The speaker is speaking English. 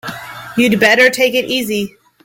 You'd better take it easy.